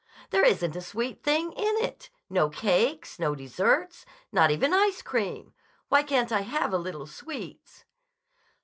"There isn't a sweet thing in it. No cakes. No desserts. Not even ice cream. Why can't I have a little sweets?"